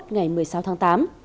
ngày một mươi sáu tháng tám